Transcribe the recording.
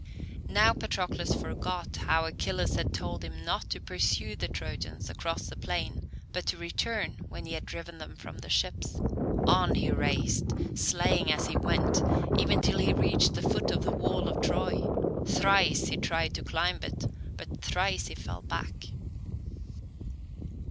Now Patroclus forgot how Achilles had told him not to pursue the Trojans across the plain, but to return when he had driven them from the ships. On he raced, slaying as he went, even till he reached the foot of the wall of Troy. Thrice he tried to climb it, but thrice he fell back.